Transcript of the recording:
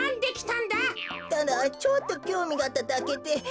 ただちょっときょうみがあっただけで。